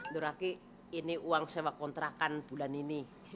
duraki ini uang saya kontrakan bulan ini